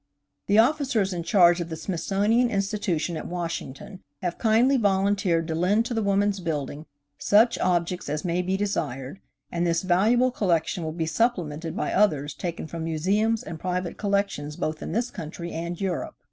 The officers in charge of the Smithsonian Institution at Washington have kindly volunteered to lend to the Woman's Building such objects as may be desired, and this valuable collection will be supplemented by others taken from museums and private collections both in this country and Europe.